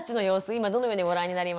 今どのようにご覧になりますか？